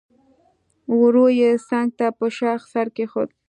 ورو يې څنګ ته په شاخ سر کېښود.